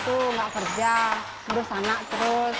tidak kerja terus anak terus